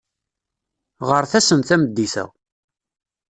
Ɣret-asen tameddit-a.